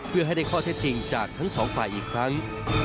เพื่อให้ได้ข้อเท็จจริงจากทั้งสองฝ่ายอีกครั้ง